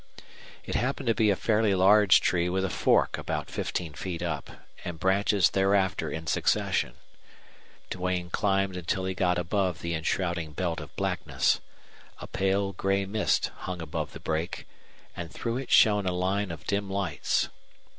It happened to be a fairly large tree with a fork about fifteen feet up, and branches thereafter in succession. Duane climbed until he got above the enshrouding belt of blackness. A pale gray mist hung above the brake, and through it shone a line of dim lights.